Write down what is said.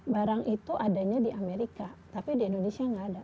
barang itu adanya di amerika tapi di indonesia nggak ada